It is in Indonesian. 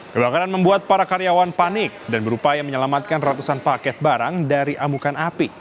kebakaran membuat para karyawan panik dan berupaya menyelamatkan ratusan paket barang dari amukan api